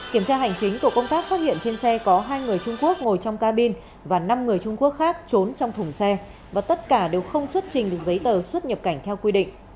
kiểm tra hành chính tổ công tác phát hiện trên xe có hai người trung quốc ngồi trong cabin và năm người trung quốc khác trốn trong thùng xe và tất cả đều không xuất trình được giấy tờ xuất nhập cảnh theo quy định